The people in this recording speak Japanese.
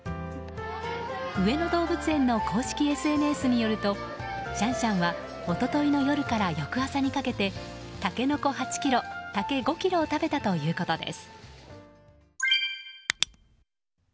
上野動物園の公式ＳＮＳによるとシャンシャンは一昨日の夜から翌朝にかけてタケノコ８ｋｇ竹５ｋｇを食べたということです。